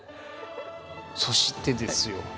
そしてですよ。